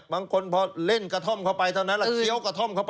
บางคนกะทอมเท่านั้นแล้วเวลาเคลียวกะทอมเข้าไป